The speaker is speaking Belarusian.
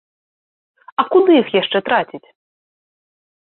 А куды іх яшчэ траціць?